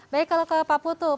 baik kalau pak putri